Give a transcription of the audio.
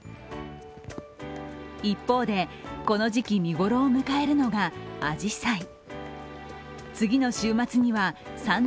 一方で、この時期、見頃を迎えるのがあじさい。